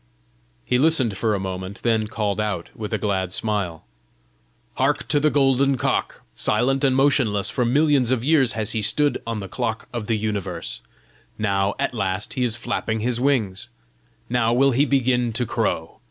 He listened for a moment, then called out, with a glad smile, "Hark to the golden cock! Silent and motionless for millions of years has he stood on the clock of the universe; now at last he is flapping his wings! now will he begin to crow!